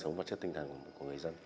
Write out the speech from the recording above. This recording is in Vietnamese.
sống vật chất tinh thần của người dân